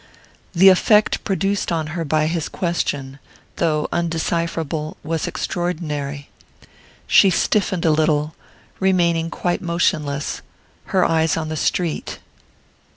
The effect produced on her by his question, though undecipherable, was extraordinary. She stiffened a little, remaining quite motionless, her eyes on the street.